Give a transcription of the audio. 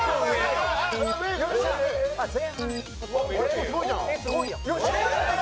結構すごいじゃん。